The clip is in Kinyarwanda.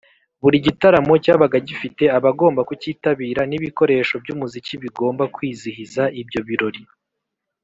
Buri gitaramo cyabaga gifite abagomba kukitabira n’ibikoresho by’umuziki bigomba kwizihiza ibyo birori.